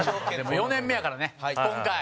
４年目やからね、今回。